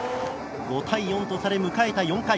５対４とされ迎えた４回。